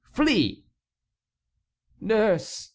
Flee!" "Nurse!"